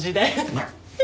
まあ。